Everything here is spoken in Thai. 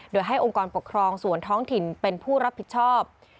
โดยให้องค์กรปกครองส่วนท้องถิ่นเป็นผู้รับผิดชอบ